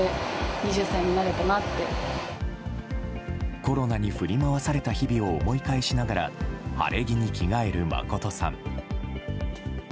コロナに振り回された日々を思い返しながら晴れ着に着替える真琴さん。